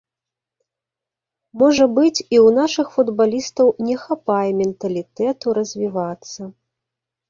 Можа быць, і ў нашых футбалістаў не хапае менталітэту развівацца.